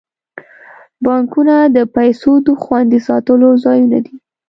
بانکونه د پیسو د خوندي ساتلو ځایونه دي.